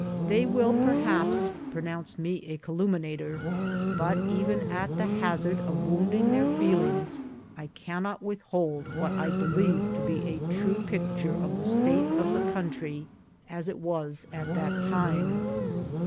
They will perhaps pronounce me a calumniator, but even at the hazard of wounding their feelings, I cannot withhold what I believe to be a true picture of the state of the country as it was at that time.